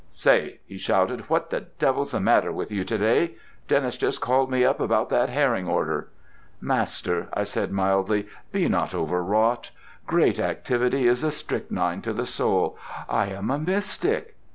"Say," he shouted, "what the devil's the matter with you to day? Dennis just called me up about that herring order—" "Master," I said mildly, "be not overwrought. Great activity is a strychnine to the soul. I am a mystic...."